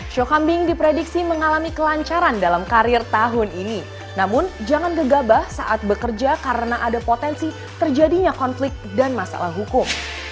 show kambing diprediksi mengalami kelancaran dalam karir tahun ini namun jangan gegabah saat bekerja karena ada potensi terjadinya konflik dan masalah hukum